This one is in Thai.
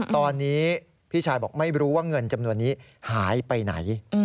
ตอนนี้พี่ชายบอกไม่รู้ว่าเงินจำนวนนี้หายไปไหน